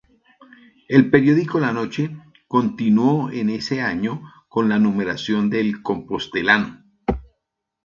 El periódico "La Noche" continuó en ese año con la numeración de "El Compostelano".